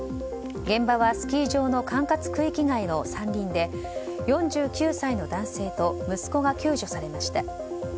現場はスキー場の管轄区域外の山林で４９歳の男性と息子が救助されました。